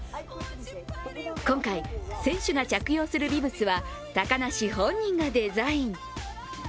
今回、選手が着用するビブスは高梨本人がデザイン。